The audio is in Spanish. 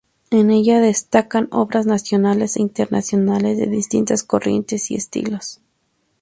En ella destacan obras nacionales e internacionales de distintas corrientes y estilos.